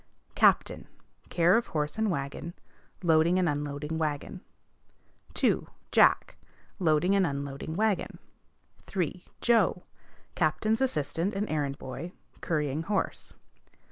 Captain. Care of horse and wagon; loading and unloading wagon. 2. Jack. Loading and unloading wagon. 3. Joe. Captain's assistant and errand boy; currying horse.